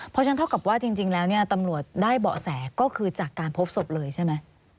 เพราะฉะนั้นเท่ากับว่าจริงแล้วเนี่ยตำรวจได้เบาะแสก็คือจากการพบศพเลยใช่ไหม